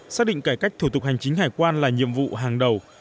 xác định cải cách thủ tục hành chính hải quan là nhiệm vụ hàng đầu